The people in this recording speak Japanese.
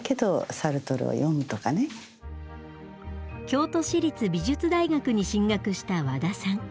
京都市立美術大学に進学したワダさん。